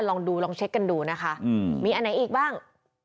ลองดูลองเช็คกันดูนะคะมีอันไหนอีกบ้าง